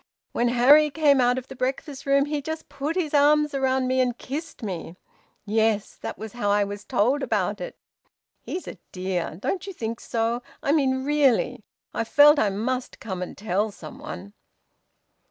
"When Harry came out of the breakfast room he just put his arms round me and kissed me. Yes! That was how I was told about it. He's a dear! Don't you think so? I mean really! I felt I must come and tell some one."